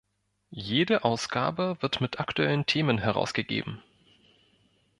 Jede Ausgabe wird mit aktuellen Themen herausgegeben.